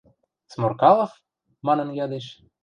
– Сморкалов? – манын ядеш.